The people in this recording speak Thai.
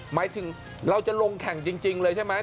หมายถึงเราจะลงแข่งจริงเลยใช่ไหม